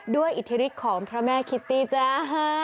อิทธิฤทธิ์ของพระแม่คิตตี้จ้า